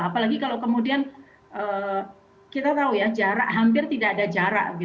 apalagi kalau kemudian kita tahu ya jarak hampir tidak ada jarak